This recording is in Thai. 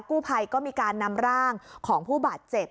กู้ภัยก็มีการนำร่างของผู้บาดเจ็บ